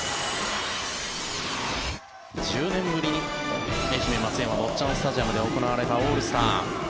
１０年ぶりに愛媛松山・坊っちゃんスタジアムで行われたオールスター。